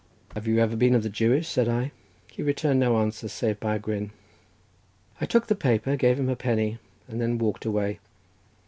"Have you ever been of the Jewish?" said I. He returned no answer save by a grin. I took the paper, gave him a penny, and then walked away.